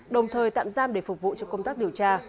đồng thời tạm giam để phục vụ cho công tác điều tra